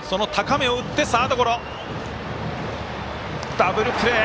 ダブルプレー！